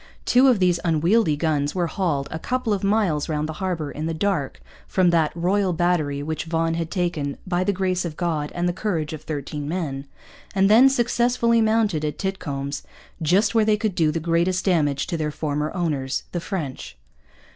Two of these unwieldy guns were hauled a couple of miles round the harbour, in the dark, from that 'Royal Battery' which Vaughan had taken 'by the Grace of God and the courage of 13 Men,' and then successfully mounted at 'Titcomb's,' just where they could do the greatest damage to their former owners, the French.